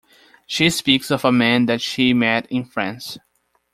She speaks of a man that she met in France.